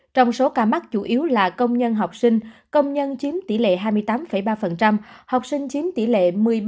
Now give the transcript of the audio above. trong số ca mắc chủ yếu là công nhân học sinh công nhân chiếm tỷ lệ hai mươi tám ba học sinh chiếm tỷ lệ một mươi ba